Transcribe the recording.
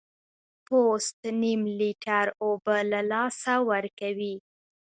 پوست نیم لیټر اوبه له لاسه ورکوي.